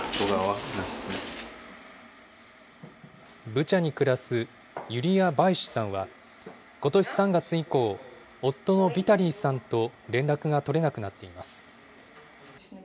ブチャに暮らすユリア・バイシュさんは、ことし３月以降、夫のビタリーさんと連絡が取れなくなっています。